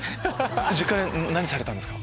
実家で何されたんですか？